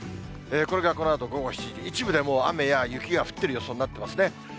これがこのあと午後７時、一部でもう雨や雪が降っている予想になってますね。